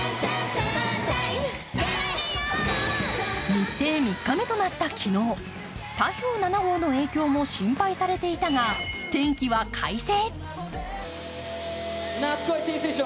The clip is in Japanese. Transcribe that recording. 日程３日目となった昨日台風７号の影響も心配されていたが、天気は快晴。